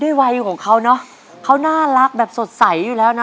วัยของเขาเนอะเขาน่ารักแบบสดใสอยู่แล้วนะ